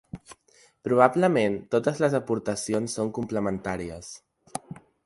Probablement totes les aportacions són complementàries.